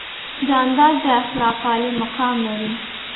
جانداد د اخلاقو عالي مقام لري.